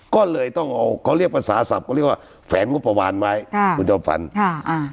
ก็เลยต้องเอาเขาเรียกภาษาศัพท์เขาเรียกว่าแฝนกับประวัติศาสตร์ไหมคุณยุตภงศ์